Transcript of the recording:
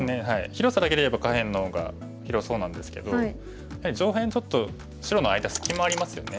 広さだけで言えば下辺の方が広そうなんですけどやはり上辺ちょっと白の間隙間ありますよね。